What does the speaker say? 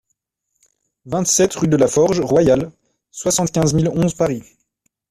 vingt-sept rue de la Forge Royale, soixante-quinze mille onze Paris